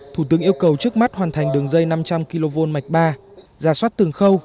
thủ tướng yêu cầu trước mắt hoàn thành đường dây năm trăm linh kv mạch ba ra soát từng khâu